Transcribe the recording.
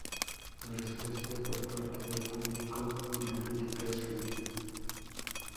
La respuesta por parte del público y la crítica es fría.